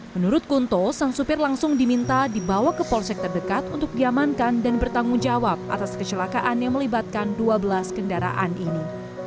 menurut kunto sang supir langsung diminta dibawa ke polsek terdekat untuk diamankan dan bertanggung jawab atas kecelakaan yang melibatkan dua belas kendaraan ini